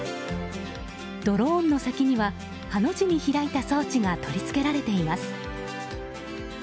ドローンの先にはハの字に開いた装置が取り付けられています。